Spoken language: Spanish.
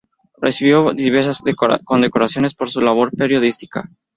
Recibió diversas condecoraciones por su labor periodística.